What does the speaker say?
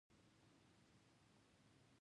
ایران د کډوالو لپاره ښوونځي لري.